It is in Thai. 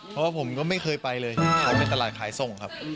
เพราะว่าผมก็ไม่เคยไปเลยผมเป็นตลาดขายส่งครับ